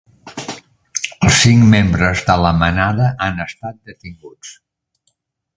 Els cinc membres de "la Manada" han estat detinguts.